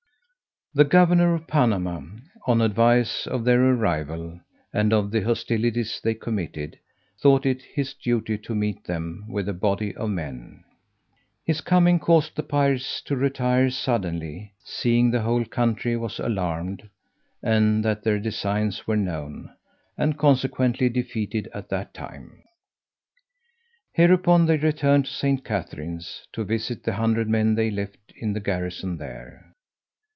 The governor of Panama, on advice of their arrival, and of the hostilities they committed, thought it his duty to meet them with a body of men. His coming caused the pirates to retire suddenly, seeing the whole country was alarmed, and that their designs were known, and consequently defeated at that time. Hereupon, they returned to St. Catherine's, to visit the hundred men they left in garrison there.